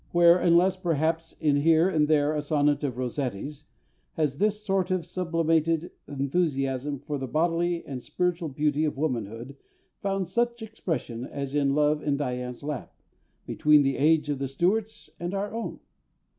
Where, unless, perhaps, in here and there a sonnet of ROSSETTI'S, has this sort of sublimated enthusiasm for the bodily and spiritual beauty of womanhood found such expression as in Love in Dian's Lap between the age of the Stuarts and our own?